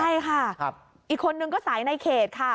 ใช่ค่ะอีกคนนึงก็สายในเขตค่ะ